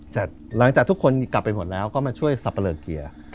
หลังจากทุกคนกลับไปหมดแล้วก็มาช่วยสับปะเลอเกียร์